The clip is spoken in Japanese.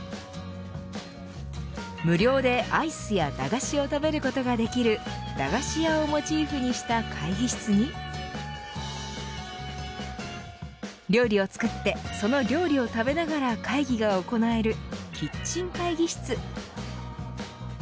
無料でアイスや駄菓子を食べることができる駄菓子屋をモチーフにした会議室に料理を作ってその料理を食べながら会議が行えるキッチン会議室。